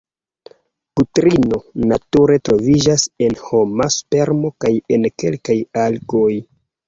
Putrino nature troviĝas en homa spermo kaj en kelkaj algoj.